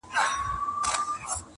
در جارېږم مقدسي له رِضوانه ښایسته یې،